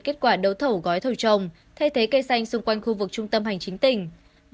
kết quả đấu thầu gói thầu trồng thay thế cây xanh xung quanh khu vực trung tâm hành chính tỉnh